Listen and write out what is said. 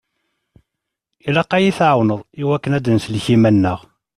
Ilaq ad yi-tɛawneḍ i wakken ad nsellek iman-nneɣ.